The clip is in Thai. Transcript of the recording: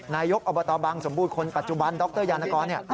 นายกอบตบังสมบูรณ์คนปัจจุบันดรยานกร